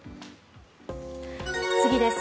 次です。